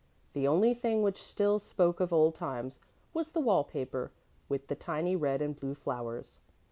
The only thing which still spoke of old times was the wallpaper with the tiny red and blue flowers.